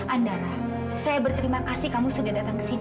andalah saya berterima kasih kamu sudah datang ke sini